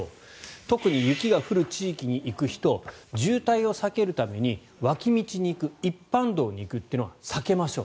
特に雪が降る地域に行く人渋滞を避けるために脇道に行く一般道に行くというのは避けましょう。